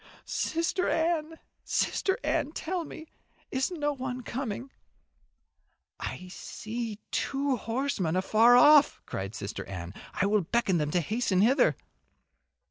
"Sister Anne, Sister Anne, tell me is no one coming?" "I see two horsemen afar off," cried Sister Anne. "I will beckon to them to hasten hither."